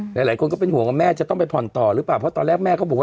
หลายคนก็เป็นห่วงว่าแม่จะต้องไปผ่อนต่อหรือเปล่าเพราะตอนแรกแม่เขาบอกว่า